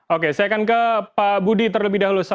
oke saya akan ke pak budi terlebih dahulu